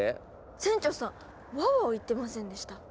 船長さん「ワオワオ」言ってませんでした？